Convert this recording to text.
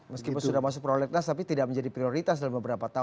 meskipun sudah masuk prolegnas tapi tidak menjadi prioritas dalam beberapa tahun